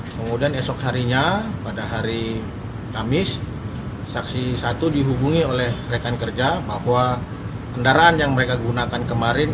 kemudian esok harinya pada hari kamis saksi satu dihubungi oleh rekan kerja bahwa kendaraan yang mereka gunakan kemarin